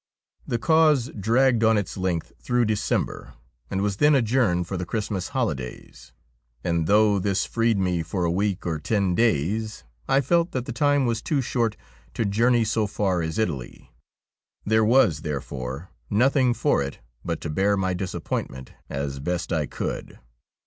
The cause dragged on its length through December and was then adjourned for the Christmas holidays ; and, though this freed me for a week or ten days, I felt that the time was too short to journey so far as Italy. There was, therefore, nothing for it but to bear my disappointment as best I cauld.